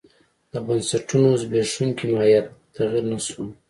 د بنسټونو زبېښونکی ماهیت تغیر نه شو.